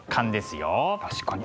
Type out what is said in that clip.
確かに。